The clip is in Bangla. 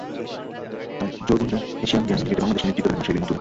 তাই জোর গুঞ্জন, এশিয়ান গেমস ক্রিকেটে বাংলাদেশকে নেতৃত্ব দেবেন মাশরাফি বিন মুর্তজা।